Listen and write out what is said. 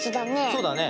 そうだね。